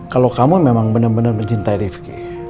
kalau kamu memang bener bener mencintai rifqi